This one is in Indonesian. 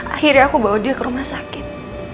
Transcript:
akhirnya aku bawa dia ke rumah sakit